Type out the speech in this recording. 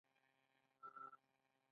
د شارپ په وینا ګډه نړیواله نسخه نشته.